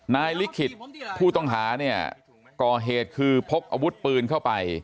ลิขิตผู้ต้องหาเนี่ยก่อเหตุคือพกอาวุธปืนเข้าไป